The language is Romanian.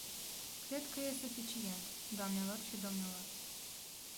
Cred că e suficient, doamnelor și domnilor.